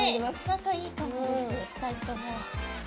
仲いいかもです２人とも。